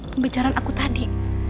pembicaraan aku tadi